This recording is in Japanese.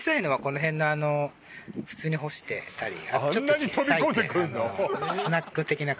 あんなに飛び込んでくんの？